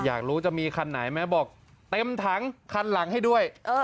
อยากรู้จะมีคันไหนไหมบอกเต็มถังคันหลังให้ด้วย